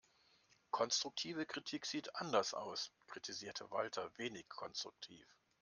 Konstruktive Kritik sieht anders aus, kritisierte Walter wenig konstruktiv.